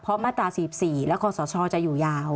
เพราะมาตรา๔๔และคอสชจะอยู่ยาว